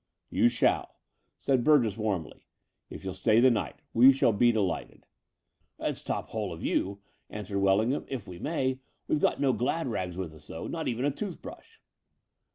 '" "You shall," said Burgess warmly, "if you'll stay the night. We shall be delighted." "It's top hole of you," answered Wellingham, "if we may. We've got no glad fags with us though — not even a toothbrush."